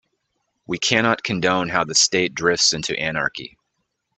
We cannot condone how the state drifts into anarchy.